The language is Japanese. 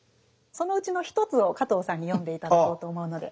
そのうちの１つを加藤さんに読んで頂こうと思うので。